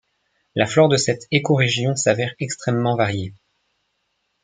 La flore de cette écorégion s'avère extrêmement variée.